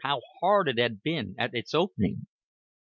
how hard it had been at its opening!